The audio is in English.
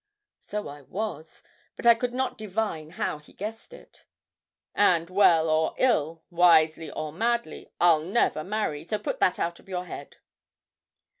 So I was, but I could not divine how he guessed it. 'And well or ill, wisely or madly, I'll never marry; so put that out of your head.'